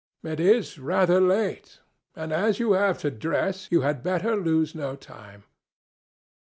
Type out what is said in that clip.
"It is rather late, and, as you have to dress, you had better lose no time.